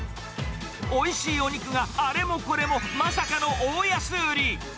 おいしいお肉が、あれもこれもまさかの大安売り。